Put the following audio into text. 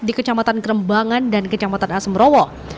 di kecamatan kerembangan dan kecamatan asemrowo